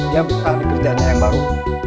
dia ambil kak di kerjaannya yang baru